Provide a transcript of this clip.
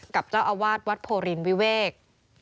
กับเจ้าอาวาสวัดโพรินวิเวก